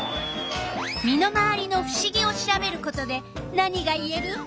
身の回りのふしぎを調べることで何がいえる？